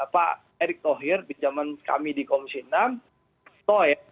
pak erick tohir pinjaman kami di komisi enam